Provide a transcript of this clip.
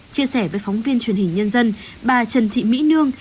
chia sẻ với phóng viên truyền hình nhân dân bà trần thị mỹ nương